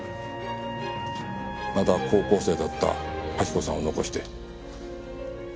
まだ高校生だった亜希子さんを残して。